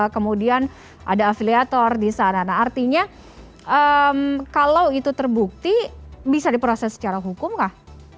kemudian ada afiliator disana artinya kalau itu terbukti bisa diproses secara hukum kah